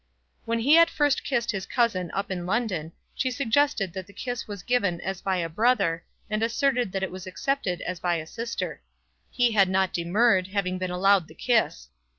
When he had first kissed his cousin up in London, she suggested that the kiss was given as by a brother, and asserted that it was accepted as by a sister. He had not demurred, having been allowed the kiss.